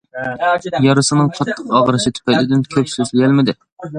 يارىسىنىڭ قاتتىق ئاغرىشى تۈپەيلىدىن كۆپ سۆزلىيەلمىدى.